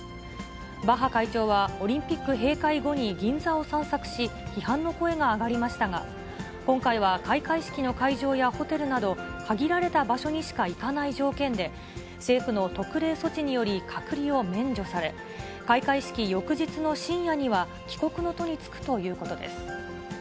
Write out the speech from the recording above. バッハ会長はオリンピック閉会後に銀座を散策し、批判の声が上がりましたが、今回は開会式の会場やホテルなど、限られた場所にしか行かない条件で、政府の特例措置により、隔離を免除され、開会式翌日の深夜には、帰国の途に就くということです。